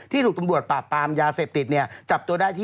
ที่ถูกตำรวจประปรามยาเสพติดจับตัวได้ที่